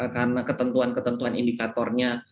karena ketentuan ketentuan indikatornya